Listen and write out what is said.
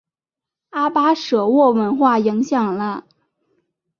阿巴舍沃文化影响了。